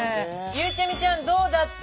ゆうちゃみちゃんどうだった？